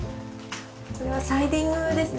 これはサイディングですね。